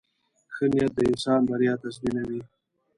• ښه نیت د انسان بریا تضمینوي.